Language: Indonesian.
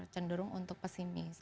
cenderung untuk pesimis